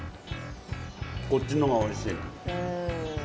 こっちの方がおいしい！